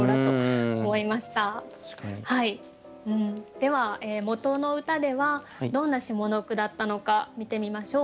では元の歌ではどんな下の句だったのか見てみましょう。